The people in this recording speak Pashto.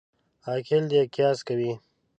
عاقل دي قیاس کوي.